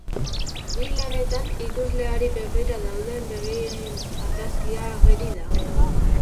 Bi lanetan, ikusleari begira dauden begien argazkia ageri da.